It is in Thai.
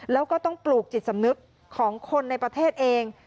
แล้วก็ต้องปลูกจิตสำนึกของคนในประเทศเอง